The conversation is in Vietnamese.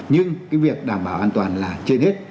nhưng cái việc đảm bảo an toàn là trên hết